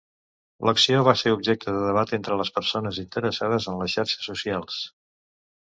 L'acció va ser objecte de debat entre les persones interessades en les xarxes socials.